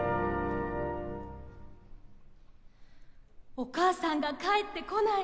お母さんが帰ってこない！